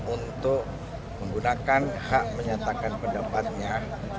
untuk menggunakan hak menyatakan pendapatnya